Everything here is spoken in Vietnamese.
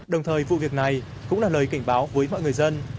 đồng thời vụ việc này cũng là lời cảnh báo với mọi người dân